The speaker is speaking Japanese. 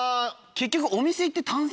結局。